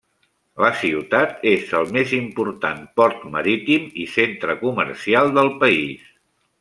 La ciutat és el més important port marítim i centre comercial del país.